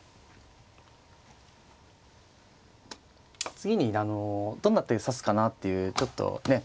次にどんな手指すかなっていうちょっとね